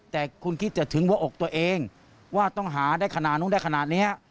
แต่คุณคิดจะถึงหัวอกตัวเองว่าต้องหาได้ขนาดนู้นได้ขนาดนี้